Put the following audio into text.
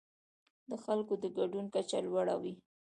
د خلکو د ګډون کچه لوړه وي.